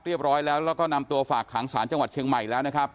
เรียบร้อยแล้วแล้วก็นำตัวฝากขังสารจังหวัดเชียงใหม่แล้วนะครับ